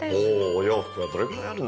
お洋服はどれぐらいあるんだい？